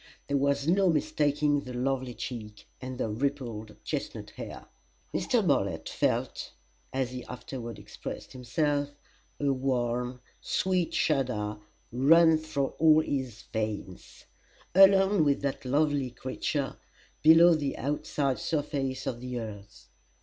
There was no mistaking the lovely cheek and the rippled chestnut hair. Mr. Bartlett felt as he afterward expressed himself a warm, sweet shudder run through all his veins. Alone with that lovely creature, below the outside surface of the earth!